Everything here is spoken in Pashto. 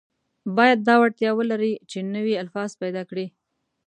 باید دا وړتیا ولري چې نوي الفاظ پیدا کړي.